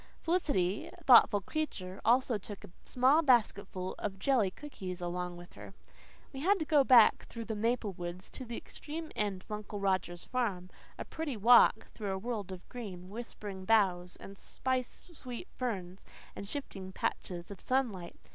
Felicity, thoughtful creature, also took a small basketful of jelly cookies along with her. We had to go back through the maple woods to the extreme end of Uncle Roger's farm a pretty walk, through a world of green, whispering boughs and spice sweet ferns, and shifting patches of sunlight.